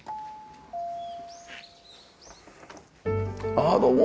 ああどうも。